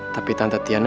tapi tante tiana